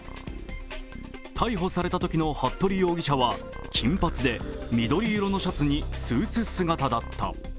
逮捕されたときの服部容疑者は金髪に緑色のシャツにスーツ姿だった。